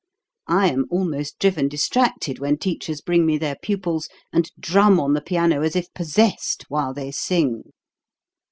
I am almost driven distracted when teachers bring me their pupils, and drum on the piano as if possessed while they sing.